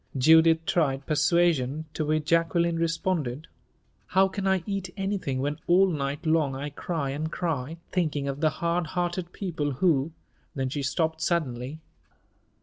Judith tried persuasion, to which Jacqueline responded, "How can I eat anything, when all night long I cry and cry, thinking of the hard hearted people who " Then she stopped suddenly.